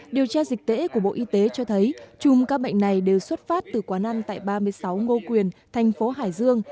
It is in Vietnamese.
điều tra dịch tễ của bộ y tế cho thấy chùm các bệnh này đều xuất phát từ quán ăn tại ba mươi sáu ngô quyền thành phố hải dương